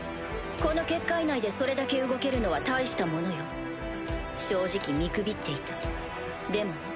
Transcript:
この結界内でそれだけ動けるのは大し正直見くびっていたでもね